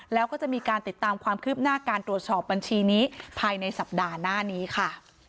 แล้วก็จะมีการติดตามความคืบหน้าการตรวจสอบบัญชีนี้ภายในสัปดาห์หน้านี้ค่ะ